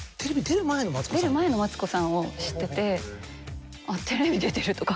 出る前のマツコさんを知ってて。